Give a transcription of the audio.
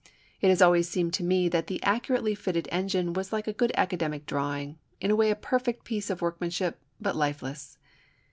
It has always seemed to me that the accurately fitting engine was like a good academic drawing, in a way a perfect piece of workmanship, but lifeless.